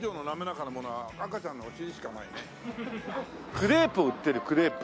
クレープ売ってるクレープ。